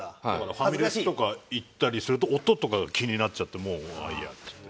ファミレスとか行ったりすると音とかが気になっちゃってもうイヤっていって。